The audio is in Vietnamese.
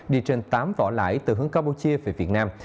đi trên tám vỏ lãi từ hướng campuchia về việt nam